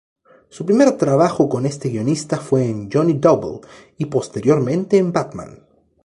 Su primer trabajo con este guionista fue en "Johnny Double" y posteriormente en "Batman".